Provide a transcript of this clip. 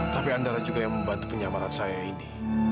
tapi anda juga yang membantu penyamaran saya ini